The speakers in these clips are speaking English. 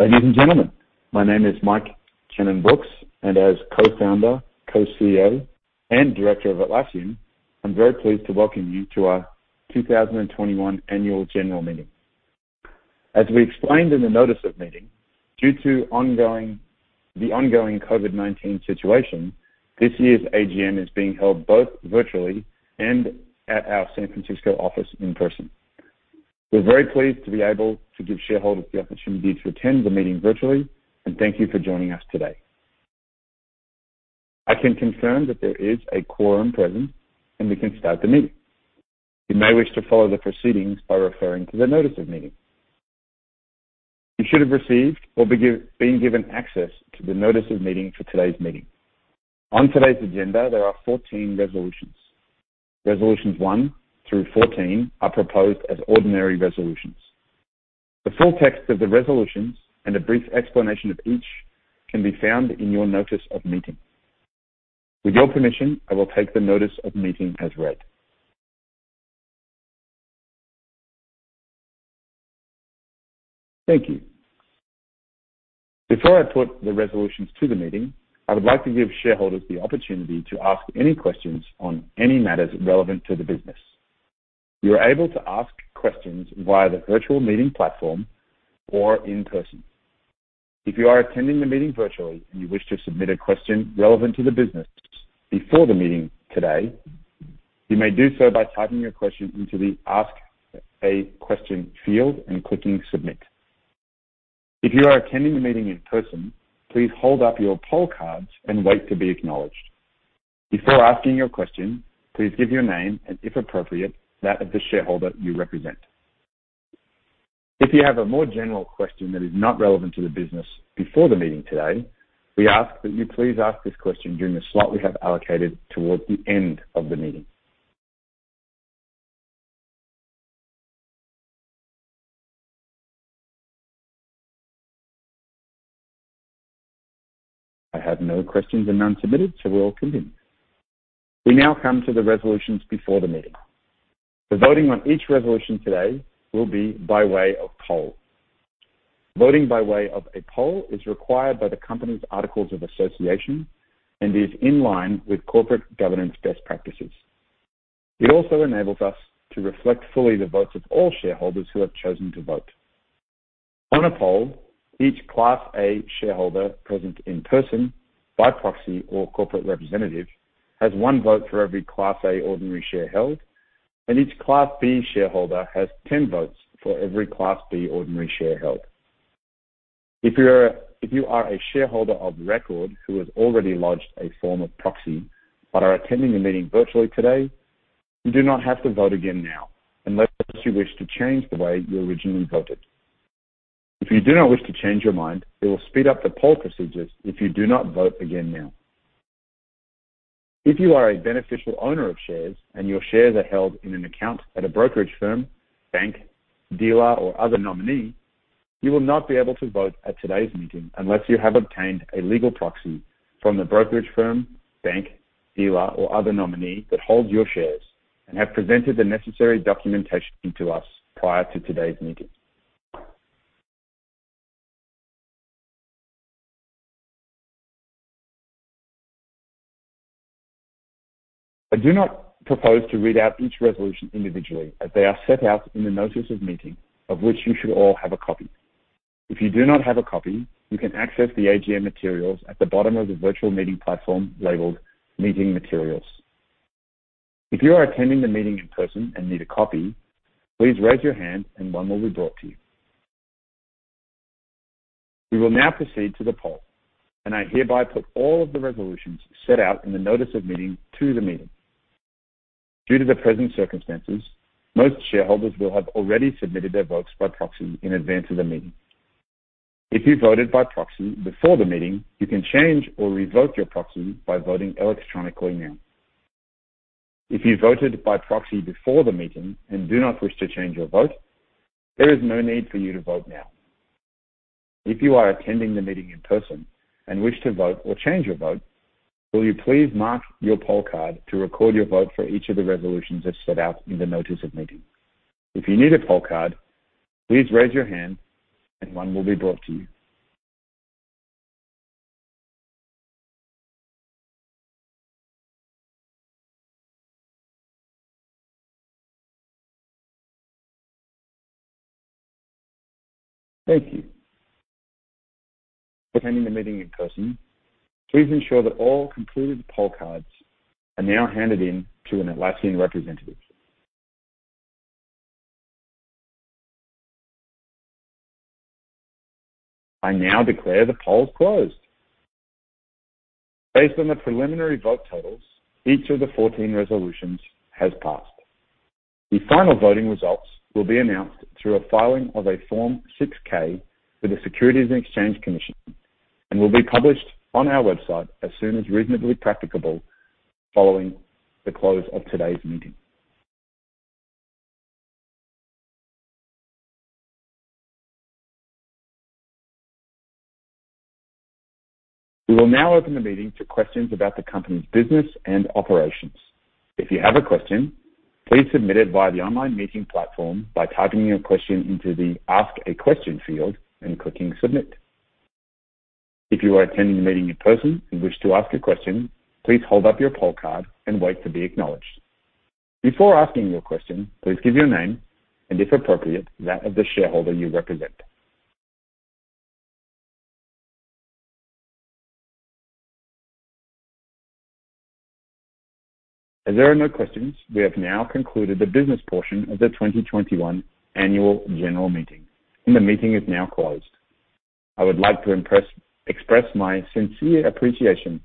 Ladies and gentlemen, my name is Mike Cannon-Brookes, and as Co-Founder, Co-CEO, and Director of Atlassian, I'm very pleased to welcome you to our 2021 Annual General Meeting. As we explained in the notice of meeting, due to the ongoing COVID-19 situation, this year's AGM is being held both virtually and at our San Francisco office in person. We're very pleased to be able to give shareholders the opportunity to attend the meeting virtually, and thank you for joining us today. I can confirm that there is a quorum present, and we can start the meeting. You may wish to follow the proceedings by referring to the notice of meeting. You should have received or being given access to the notice of meeting for today's meeting. On today's agenda, there are 14 resolutions. Resolutions one through 14 are proposed as ordinary resolutions. The full text of the resolutions and a brief explanation of each can be found in your notice of meeting. With your permission, I will take the notice of meeting as read. Thank you. Before I put the resolutions to the meeting, I would like to give shareholders the opportunity to ask any questions on any matters relevant to the business. You're able to ask questions via the virtual meeting platform or in person. If you are attending the meeting virtually and you wish to submit a question relevant to the business before the meeting today, you may do so by typing your question into the Ask a Question field and clicking Submit. If you are attending the meeting in person, please hold up your poll cards and wait to be acknowledged. Before asking your question, please give your name, and if appropriate, that of the shareholder you represent. If you have a more general question that is not relevant to the business before the meeting today, we ask that you please ask this question during the slot we have allocated towards the end of the meeting. I have no questions and none submitted, so we're all content. We now come to the resolutions before the meeting. The voting on each resolution today will be by way of poll. Voting by way of a poll is required by the company's Articles of Association and is in line with corporate governance best practices. It also enables us to reflect fully the votes of all shareholders who have chosen to vote. On a poll, each Class A shareholder present in person, by proxy or corporate representative, has one vote for every Class A ordinary share held, and each Class B shareholder has 10 votes for every Class B ordinary share held. If you are a shareholder of record who has already lodged a form of proxy but are attending the meeting virtually today, you do not have to vote again now unless you wish to change the way you originally voted. If you do not wish to change your mind, it will speed up the poll procedures if you do not vote again now. If you are a beneficial owner of shares and your shares are held in an account at a brokerage firm, bank, dealer or other nominee, you will not be able to vote at today's meeting unless you have obtained a legal proxy from the brokerage firm, bank, dealer, or other nominee that holds your shares and have presented the necessary documentation to us prior to today's meeting. I do not propose to read out each resolution individually as they are set out in the notice of meeting of which you should all have a copy. If you do not have a copy, you can access the AGM materials at the bottom of the virtual meeting platform labeled Meeting Materials. If you are attending the meeting in person and need a copy, please raise your hand and one will be brought to you. We will now proceed to the poll, and I hereby put all of the resolutions set out in the notice of meeting to the meeting. Due to the present circumstances, most shareholders will have already submitted their votes by proxy in advance of the meeting. If you voted by proxy before the meeting, you can change or revoke your proxy by voting electronically now. If you voted by proxy before the meeting and do not wish to change your vote, there is no need for you to vote now. If you are attending the meeting in person and wish to vote or change your vote, will you please mark your poll card to record your vote for each of the resolutions as set out in the notice of meeting? If you need a poll card, please raise your hand and one will be brought to you. Thank you. Attending the meeting in person, please ensure that all completed poll cards are now handed in to an Atlassian representative. I now declare the polls closed. Based on the preliminary vote totals, each of the 14 resolutions has passed. The final voting results will be announced through a filing of a Form 6-K to the Securities and Exchange Commission and will be published on our website as soon as reasonably practicable following the close of today's meeting. We will now open the meeting to questions about the company's business and operations. If you have a question, please submit it via the online meeting platform by typing your question into the Ask a Question field and clicking Submit. If you are attending the meeting in person and wish to ask a question, please hold up your poll card and wait to be acknowledged. Before asking your question, please give your name and, if appropriate, that of the shareholder you represent. As there are no questions, we have now concluded the business portion of the 2021 annual general meeting, and the meeting is now closed. I would like to express my sincere appreciation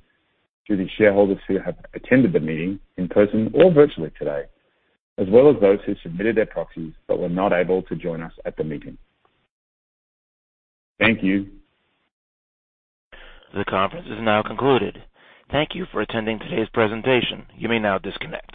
to the shareholders who have attended the meeting in person or virtually today, as well as those who submitted their proxies but were not able to join us at the meeting. Thank you. The conference is now concluded. Thank you for attending today's presentation. You may now disconnect.